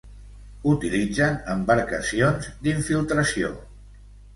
Utilitzen embarcacions d'infiltració.